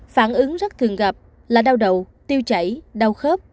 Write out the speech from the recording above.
phản ứng rất thường gặp là đau đầu tiêu chảy đau khớp